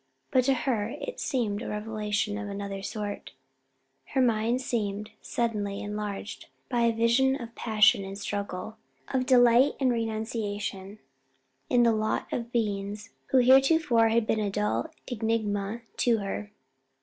But to her it seemed a revelation of another sort: her mind seemed suddenly enlarged by a vision of passion and struggle, of delight and renunciation, in the lot of beings who had hitherto been a dull enigma to her.